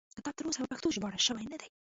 کتاب تر اوسه په پښتو ژباړل شوی نه دی.